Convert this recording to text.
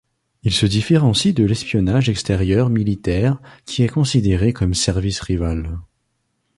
Il se différencie de l’espionnage extérieur militaire qui est considéré comme service rival.